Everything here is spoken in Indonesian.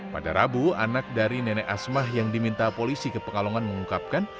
pada rabu anak dari nenek asmah yang diminta polisi ke pekalongan mengungkapkan